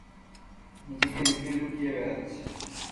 নিজেকে লুকিয়ে লুকিয়ে বেড়াচ্ছে।